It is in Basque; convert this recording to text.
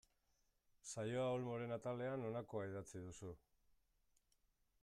Saioa Olmoren atalean honakoa idatzi duzu.